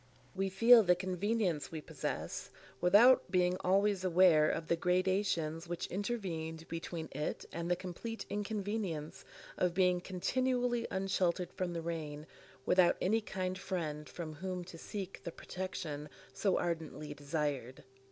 We feel the convenience we possess, without being always aware of the gradations which intervened between it and the complete inconvenience of being continually unsheltered from the rain, without any kind friend from whom to seek the protection so ardently desired.